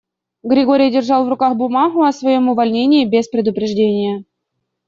Григорий держал в руках бумагу о своём увольнении без предупреждения.